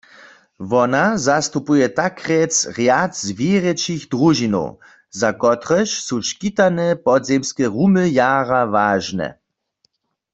Wona zastupuje takrjec rjad zwěrječich družinow, za kotrež su škitane podzemske rumy jara wažne.